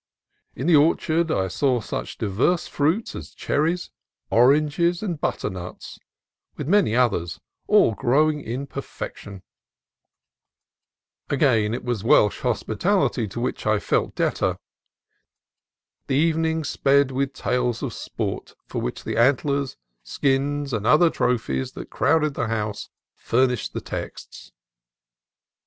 In the orchard I saw such diverse fruits as cherries, oranges, and butternuts, with many others, all growing in perfection. THE PEAR ORCHARD 169 Again it was Welsh hospitality to which I fell debtor. The evening sped with tales of sport, for which the antlers, skins, and other trophies that crowded the house furnished the texts.